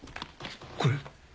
これ。